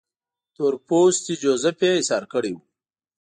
تور پوستی جوزیف یې ایسار کړی وو.